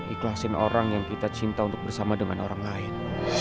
ikhlasin orang yang kita cinta untuk bersama dengan orang lain